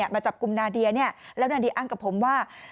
มาจับกลุ่มนาเดียแล้วนาเดียอ้างกับผมว่า